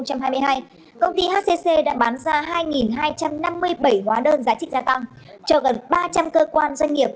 công ty hcc đã bán ra hai hai trăm năm mươi bảy hóa đơn giá trị gia tăng cho gần ba trăm linh cơ quan doanh nghiệp